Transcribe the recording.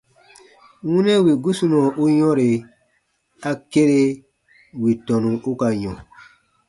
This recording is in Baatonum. Wunɛ wì gusunɔ u yɔ̃re, a kere wì tɔnu u ka yɔ̃.